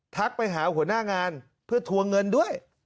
ทักไปหาหัวหน้างานเพื่อทวงเงินด้วย